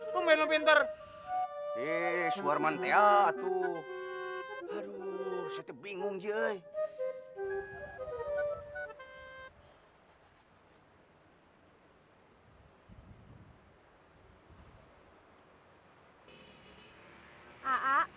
kau bener bener eh suarman teatuh aduh bingung jahe